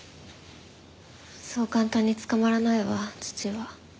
そう簡単に捕まらないわ父は。